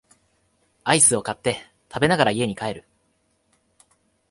アイスを買って食べながら家に帰る